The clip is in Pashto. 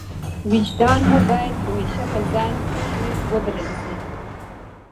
وجدان مو باید همېشه په ځان کښي وبلل سي.